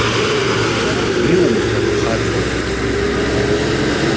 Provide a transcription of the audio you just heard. Иумҭан ухаҵоуп!